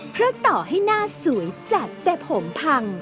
เพราะต่อให้หน้าสวยจัดแต่ผมพัง